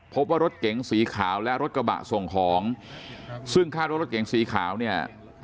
พบว่ารถเก๋งสีขาวและรถกระบะส่งของซึ่งคาดว่ารถเก๋งสีขาวเนี่ย